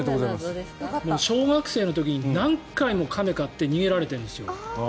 小学生の時に何回も亀を飼って逃げられてるんですよ。